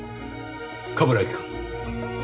冠城くん。